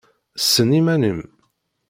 Ssen iman-im!